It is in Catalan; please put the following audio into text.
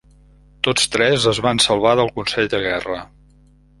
Tots tres es van salvar del consell de guerra.